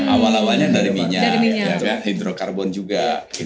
awal awalnya dari minyak hidrokarbon juga